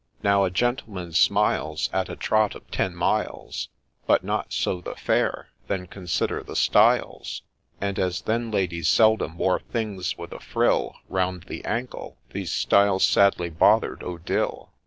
Now a gentleman smiles At a trot of ten miles ; But not so the Fair ; then consider the stiles, And as then ladies seldom wore things with a frill Round the ankle, these stiles sadly bother'd Odille.